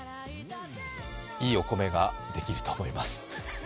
いいお米ができると思います。